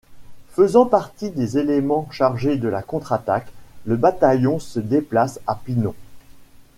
Faisant partie des éléments chargés de la contre-attaque, le bataillon se déplace à Pinon.